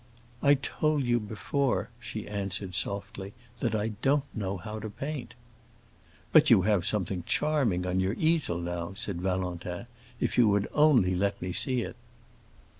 "I told you before," she answered, softly, "that I don't know how to paint." "But you have something charming on your easel, now," said Valentin, "if you would only let me see it."